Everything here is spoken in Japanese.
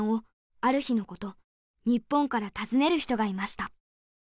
ある日のこと日本から訪ねる人がいました。